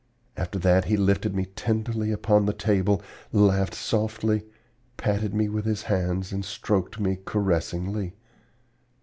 After that he lifted me tenderly upon the table, laughed softly, patted me with his hands, and stroked me caressingly.